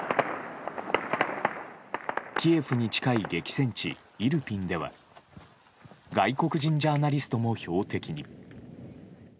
キエフに近い激戦地イルピンでは外国人ジャーナリストも標的に。